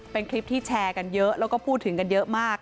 เป็นคลิปที่แชร์กันเยอะแล้วก็พูดถึงกันเยอะมาก